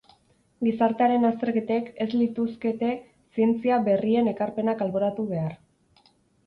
Gizartearen azterketek ez lituzkete zientzia berrien ekarpenak alboratu behar.